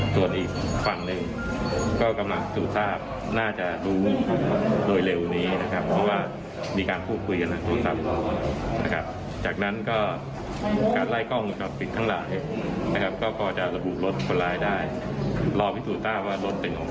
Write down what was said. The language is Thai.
พี่สุตาว่ารถเป็นของใคร